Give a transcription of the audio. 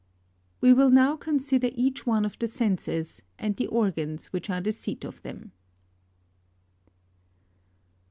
We will now consider each one of the senses, and the organs which are the seat of them.